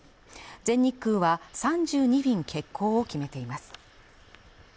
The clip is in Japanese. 全日空は３２便欠航を決めています